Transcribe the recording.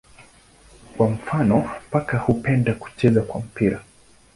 Kwa mfano paka hupenda kucheza kwa mpira.